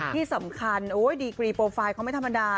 ที่สำคัญดีกรีโปรไฟล์เขาไม่ธรรมดา